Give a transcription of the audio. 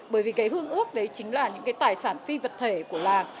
bởi vì cái hương ước đấy chính là những cái tài sản phi vật thể của làng